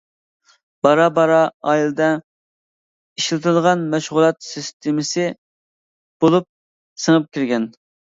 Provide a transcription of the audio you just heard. بارا-بارا ئائىلىدە ئىشلىتىلىدىغان مەشغۇلات سىستېمىسى بولۇپ سىڭىپ كىرگەن.